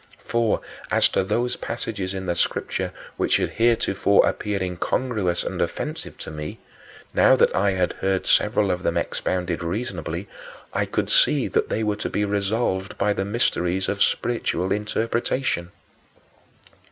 For, as to those passages in the Scripture which had heretofore appeared incongruous and offensive to me, now that I had heard several of them expounded reasonably, I could see that they were to be resolved by the mysteries of spiritual interpretation.